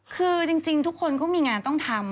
คือจริงทุกคนก็มีงานต้องทำ